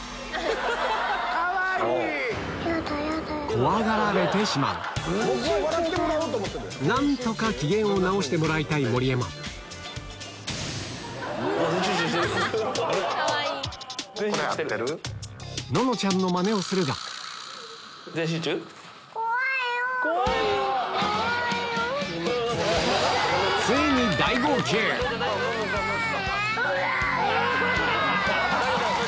怖がられてしまう何とか機嫌を直してもらいたい盛山ののちゃんのマネをするがついにお母さん！